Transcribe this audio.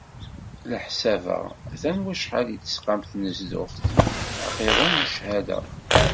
Leḥsab a-t-an wacḥal i d-tesqam tnezduɣt, aqiḍun n cchada.